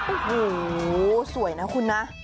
โอ้โหสวยนะคุณนะ